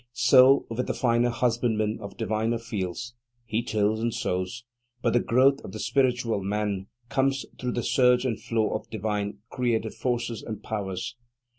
So with the finer husbandman of diviner fields. He tills and sows, but the growth of the spiritual man comes through the surge and flow of divine, creative forces and powers.